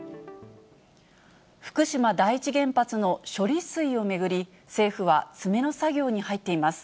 福島第一原発の処理水を巡り、政府は詰めの作業に入っています。